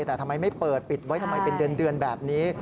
แต่ทำไมไม่เปิดปิดไว้ทำไมเป็นเดือนแบบนี้